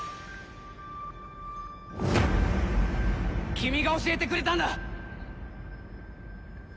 君が教えてくれたんだ！